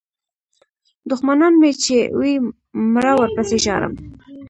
دوښمنان مې چې وي مړه ورپسې ژاړم.